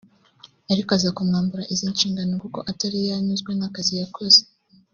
ariko aza kumwambura izi nshingano kuko atari yanyuzwe n’akazi yakoze